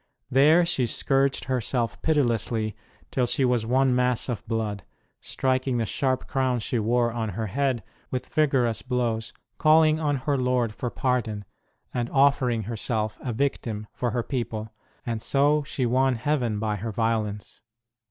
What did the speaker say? There she scourged herself pitilessly till she was one mass of blood, striking the sharp crown she wore on her head with vigorous blows, calling on her Lord for pardon, and offering herself a victim for her people and so she won Heaven by her violence.